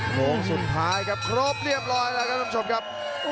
โมงสุดท้ายครับครบเรียบร้อยแล้วครับท่านผู้ชมครับ